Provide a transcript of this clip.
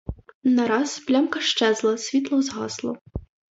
Нараз плямка щезла, світло згасло.